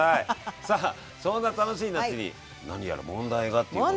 さあそんな楽しい夏に何やら問題がっていうことで。